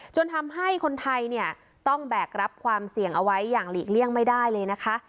จนทำให้คนไทยเนี่ยต้องแบกรับความเสี่ยงเอาไว้อย่างหลีกเลี่ยงไม่ได้เลยนะคะ